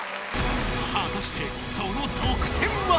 果たしてその得点は？